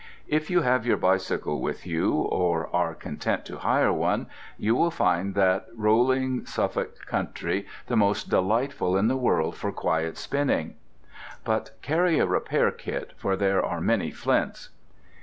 If you have your bicycle with you, or are content to hire one, you will find that rolling Suffolk country the most delightful in the world for quiet spinning. (But carry a repair kit, for there are many flints!)